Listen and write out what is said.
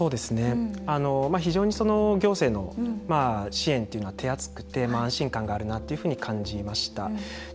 非常に行政の支援というのが手厚くて安心感があるなと感じました。